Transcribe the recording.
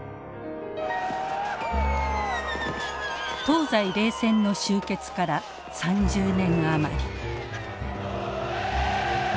東西冷戦の終結から３０年余り。